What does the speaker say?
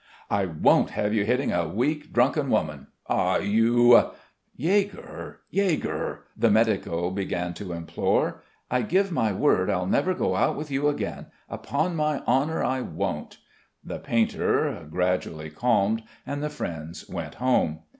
I won't have you hitting a weak, drunken woman. Ah, you...." "Yegor ... Yegor!" the medico began to implore, "I give my word I'll never go out with you again. Upon my honour, I won't." The painter gradually calmed, and the friends went home.